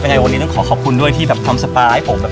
วันนี้ต้องขอขอบคุณด้วยที่ทำสปาให้ผม